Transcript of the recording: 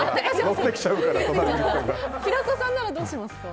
平子さんならどうしますか？